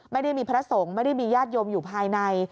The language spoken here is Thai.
ไม่ได้มีพระทศงไม่ได้มีญาติยนต์อยู่ภายใน